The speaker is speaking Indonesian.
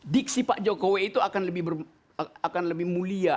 diksi pak jokowi itu akan lebih mulia